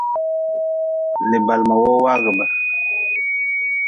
Li balma wo waagʼbe.